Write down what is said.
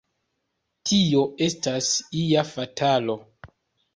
Tio estas ia fatalo!